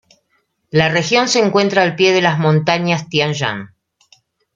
La región se encuentra al pie de las montañas Tian Shan.